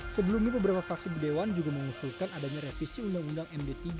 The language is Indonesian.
sebelum ini beberapa fraksi bdwan juga mengusulkan adanya revisi undang undang md tiga